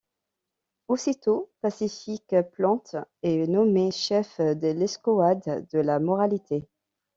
Aussitôt, Pacifique Plante est nommé chef de l’escouade de la moralité.